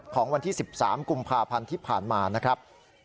ของวันที่๑๓กุมภาพันธ์ที่ผ่านมานะครับ